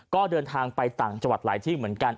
ก็เดินทางไปต่างจังหวัดหลายที่เหมือนกัน